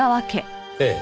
ええ。